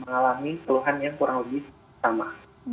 mengalami keluhan yang kurang lebih sama